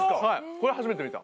これ初めて見た。